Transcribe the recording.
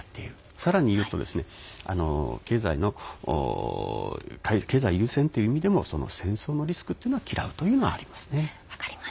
さらに言うと経済優先という意味でも戦争のリスクというのを嫌うというのはありますね。